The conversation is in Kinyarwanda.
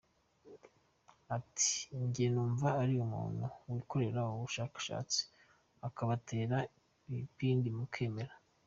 Ati “Njye ndumva ari umuntu wikorera ubushakashatsi akabatera ibipindi mukemera.